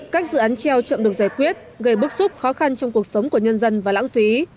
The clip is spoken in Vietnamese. các dự án treo chậm được giải quyết gây bức xúc khó khăn trong cuộc sống của nhân dân và lãng phí